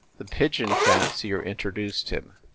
The pigeon fancier introduced him.